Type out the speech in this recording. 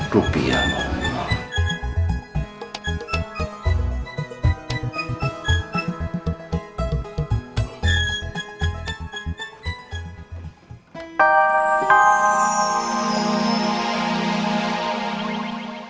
rupiah oh tuhan